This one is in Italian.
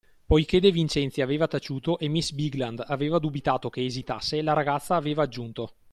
Poiché De Vincenzi aveva taciuto e miss Bigland aveva dubitato che esitasse, la ragazza aveva aggiunto.